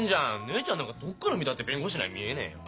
姉ちゃんなんかどっから見たって弁護士には見えねえよ。